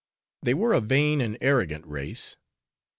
They were a vain and arrogant race.